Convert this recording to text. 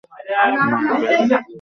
না, কেনো?